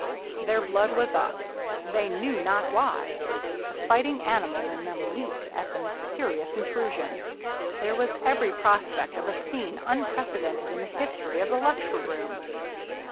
Their blood was up, — they knew not why ; the fighting animal in them leaped at the mysterious intrusion. There was every prospect of a scene unprecedented in the history of the lecture room.